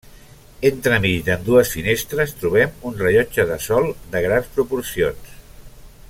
Entremig d'ambdues finestres trobem un rellotge de sol de grans proporcions.